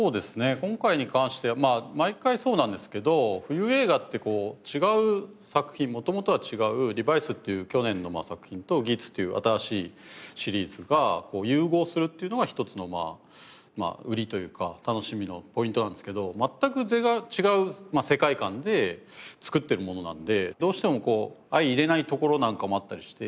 今回に関してはまあ毎回そうなんですけど冬映画ってこう違う作品元々は違う『リバイス』っていう去年の作品と『ギーツ』っていう新しいシリーズが融合するっていうのが一つの売りというか楽しみのポイントなんですけど全く違う世界観でつくってるものなのでどうしても相いれないところなんかもあったりして。